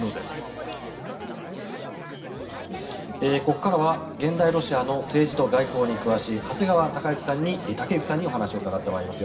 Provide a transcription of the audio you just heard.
ここからは現代ロシアの政治と外交に詳しい長谷川雄之さんにお話を伺ってまいります。